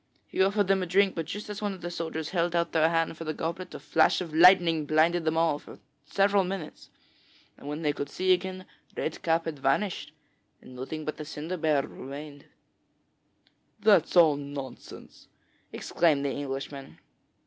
He offered them a drink, but just as one of the soldiers held out his hand for the goblet, a flash of lightning blinded them all three for several minutes, and when they could see again, Red Cap had vanished, and nothing but the cider barrel remained.' 'That's all nonsense!' exclaimed the Englishman.